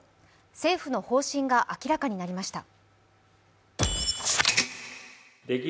政府の方針が明らかになりました。